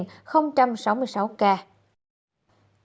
cảm ơn các bạn đã theo dõi và hẹn gặp lại